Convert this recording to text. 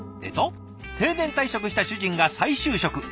えと「定年退職した主人が再就職。